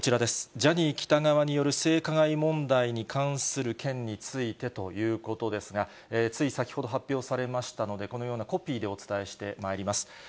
ジャニー喜多川による性加害問題に関する件についてということですが、つい先ほど発表されましたので、このようなコピーでお伝えしてまいります。